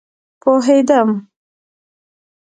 پوهیدم